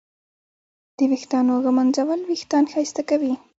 د ویښتانو ږمنځول وېښتان ښایسته کوي.